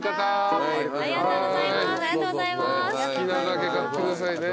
好きなだけ買ってくださいね。